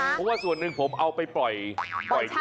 เพราะว่าส่วนหนึ่งผมเอาไปปล่อยเข้าเรียบร้อยแล้ว